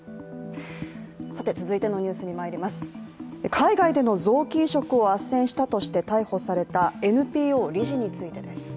海外での臓器移植をあっせんしたとして逮捕されたＮＰＯ理事についてです。